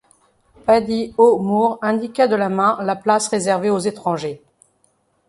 Paddy O’Moore indiqua de la main la place réservée aux étrangers.